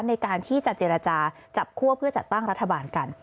ในการที่จะเจรจาจับคั่วเพื่อจัดตั้งรัฐบาลกัน